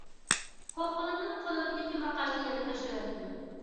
قورققىنىمدىن قولۇمدىكى تۆمۈر قاچىنى يەرگە تاشلىۋەتتىم.